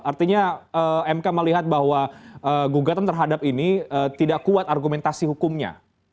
artinya mk melihat bahwa gugatan terhadap ini tidak kuat argumentasi hukumnya